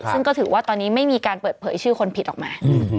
ซึ่งก็ถือว่าตอนนี้ไม่มีการเปิดเผยชื่อคนผิดออกมา